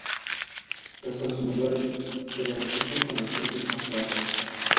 Los consumidores se benefician con los precios más bajos.